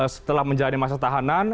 setelah menjalani masa tahanan